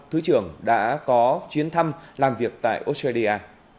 thứ trưởng đã có chuyến thăm làm việc tại australia